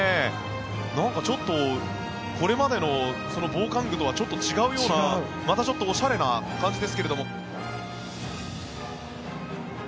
なんかちょっとこれまでの防寒具とはちょっと違うようなまたちょっとおしゃれな感じですけれども。